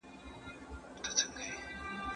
¬ بنده اريان، خداى مهربان.